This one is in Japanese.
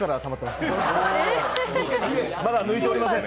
まだ抜いておりません。